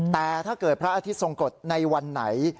แต่ถ้าเกิดพระอาทิตย์ทรงกฎในวันไหน